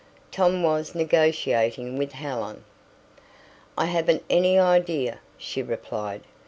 Tom was negotiating with Helen. "I haven't any idea," she replied.